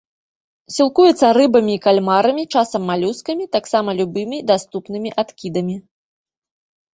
Сілкуецца рыбамі і кальмарамі, часам малюскамі, таксама любымі даступнымі адкідамі.